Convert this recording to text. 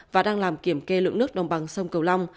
và đang làm kiểm kê lượng nước đồng bằng sông cầu long